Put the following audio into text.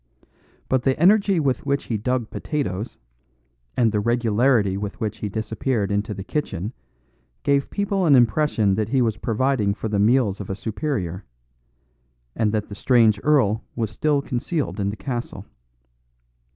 But the energy with which he dug potatoes, and the regularity with which he disappeared into the kitchen gave people an impression that he was providing for the meals of a superior, and that the strange earl was still concealed in the castle.